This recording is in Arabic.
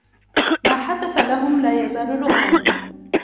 ما حدث لهم لا يزال لغزا.